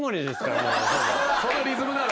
そのリズムなの。